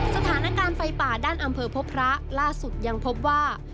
สถานการณ์ไฟป่าด้านอำเภอพบพระล่าสุดยังพบว่า